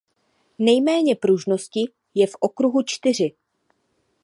Nejméně pružnosti je v okruhu čtyři.